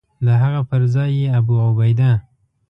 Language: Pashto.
د هغه پر ځای یې ابوعبیده.